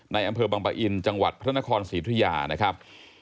อำเภอบังปะอินจังหวัดพระนครศรีธุยานะครับ